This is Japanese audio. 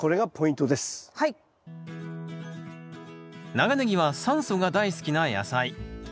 長ネギは酸素が大好きな野菜。